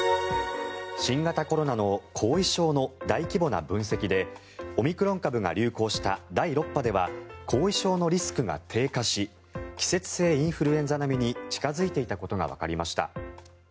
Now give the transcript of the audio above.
新型コロナの後遺症の大規模な分析でオミクロン株が流行した第６波では後遺症のリスクが低下し季節性インフルエンザ並みに近付いていたことがわかりました。